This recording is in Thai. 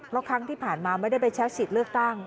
เพราะครั้งที่ผ่านมาไม่ได้ไปใช้สิทธิ์เลือกตั้ง